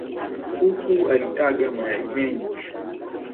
Kuku alitaga mayai mengi